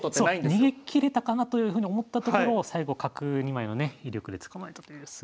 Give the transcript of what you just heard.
逃げきれたかなというふうに思ったところを最後角２枚のね威力で捕まえたというすごい将棋でしたね。